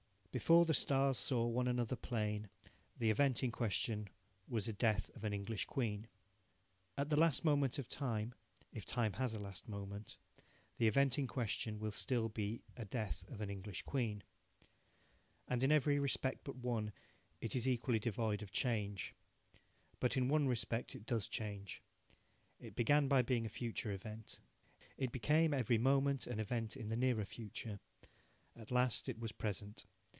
"Before the stars saw one another plain" the event in question was a death of an English Queen. At the last moment of time if time has a last moment the event in question will still be a death of an English Queen. And in every respect but one it is equally devoid of change. But in one respect it does change. It began by being a future event. It became every moment an event in the nearer future. At last it was present.